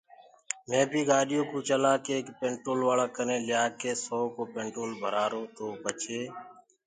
مي بي گآڏيو ڪوُ چلآڪي ايڪ پينٽولوآݪآ ڪني ليآڪي سو ڪو پينٽول ڀرآرو تو پڇي